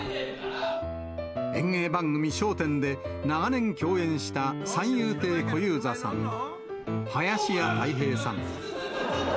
演芸番組、笑点で長年共演した三遊亭小遊三さん、林家たい平さん。